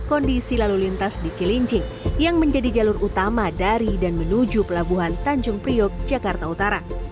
kondisi lalu lintas di cilincing yang menjadi jalur utama dari dan menuju pelabuhan tanjung priok jakarta utara